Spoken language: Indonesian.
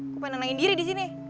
kupenang in diri disini